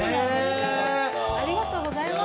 ありがとうございます。